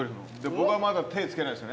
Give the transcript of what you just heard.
僕はまだ手つけないです。